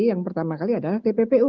yang pertama kali adalah tppu